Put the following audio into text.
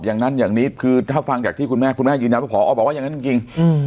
อย่างนั้นอย่างนี้คือถ้าฟังจากที่คุณแม่คุณแม่ยืนยันว่าพอบอกว่าอย่างนั้นจริงจริงอืม